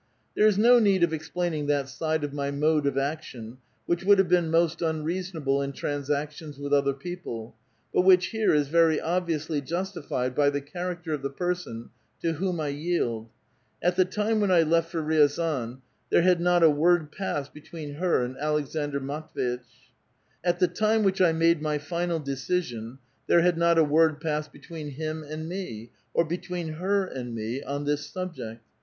"There is no need of explaining that side of my mode of action which would have been most unreasonable in transac tions with other people, but which here is very obviously jus tified by the character of the person to whom I yield. At the time when I left for Riazan, there had not a word passed between h(*r and Aleksandr Matv^itch ; at the time which I made my final decision there had not a word passed between him and me, or between her and me, on this subject.